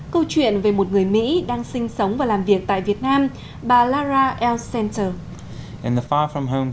câu chuyện về một người mỹ đang sinh sống và làm việc tại việt nam bà lara l senter